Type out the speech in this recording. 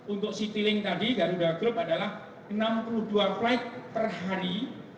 untuk citilink tadi garuda group adalah enam puluh dua flight perhari